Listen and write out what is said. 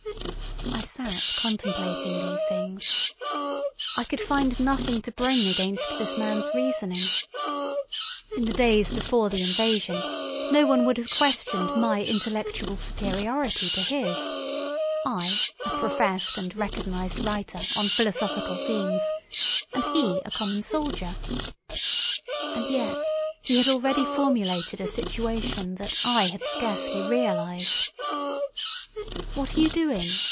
I sat contemplating these things. I could find nothing to bring against this man's reasoning. In the days before the invasion no one would have questioned my intellectual superiority to his—I, a professed and recognised writer on philosophical themes, and he, a common soldier; and yet he had already formulated a situation that I had scarcely realised. "What are you doing?"